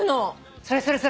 それそれそれ。